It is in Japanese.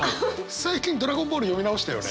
最近「ドラゴンボール」読み直したよね？